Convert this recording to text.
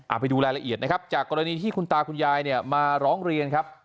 เอาไปดูรายละเอียดนะครับจากกรณีที่คุณตาคุณยายเนี่ยมาร้องเรียนครับ